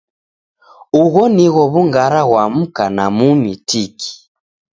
Ugho nigho w'ungara ghwa mka na mumi tiki.